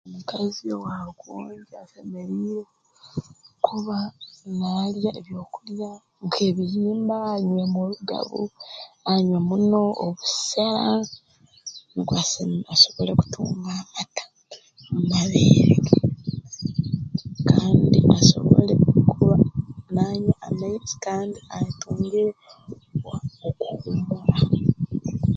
Omukazi owaarukwonkya asemeriire kuba naalya ebyokulya nk'ebihimba birimu orugabu anywe muno obusera nukwo asem asobole kutunga amata mu mabeerege kandi asobole kuba nanywa amaizi kandi atungire okuhuumura